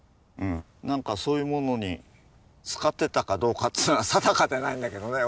なんかそういうものに使ってたかどうかっていうのは定かではないんだけどね。